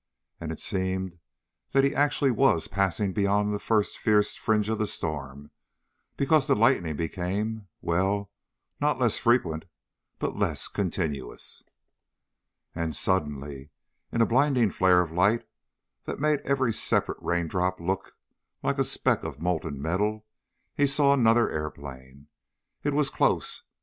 And it seemed that he actually was passing beyond the first fierce fringe of the storm, because the lightning became well, not less frequent, but less continuous. And suddenly, in a blinding flare of light that made every separate raindrop look like a speck of molten metal, he saw another airplane. It was close.